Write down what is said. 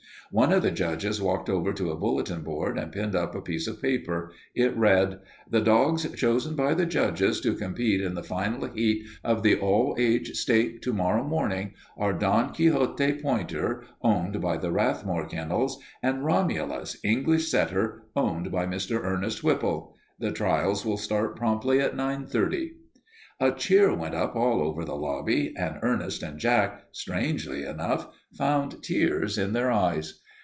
One of the judges walked over to a bulletin board and pinned up a piece of paper. It read: "The dogs chosen by the judges to compete in the final heat of the All Age stake to morrow morning are Don Quixote, pointer, owned by the Rathmore Kennels, and Romulus, English setter, owned by Mr. Ernest Whipple. The trials will start promptly at 9.30." A cheer went up all over the lobby, and Ernest and Jack, strangely enough, found tears in their eyes.